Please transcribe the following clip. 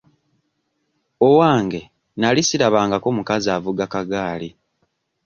Owange nali sirabangako mukazi avuga kagaali.